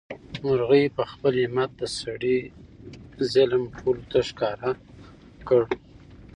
مرغۍ په خپل همت د سړي ظلم ټولو ته ښکاره کړ.